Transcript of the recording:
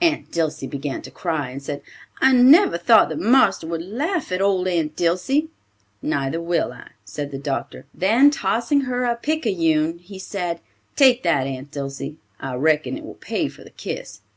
Aunt Dilsey began to cry, and said, "I never thought that marster would laugh at old Aunt Dilsey." "Neither will I," said the doctor. Then tossing her a picayune, he said, "take that, Aunt Dilsey. I reckon it will pay for the kiss.